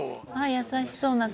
優しそうな方